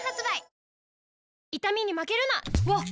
わっ！